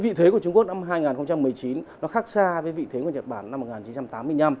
vị thế của trung quốc năm hai nghìn một mươi chín khác xa với vị thế của nhật bản năm một nghìn chín trăm tám mươi năm